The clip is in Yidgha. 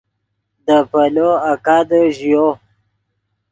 دے پیلو آکادے ژیو